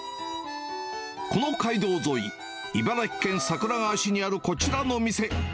この街道沿い、茨城県桜川市にあるこちらの店。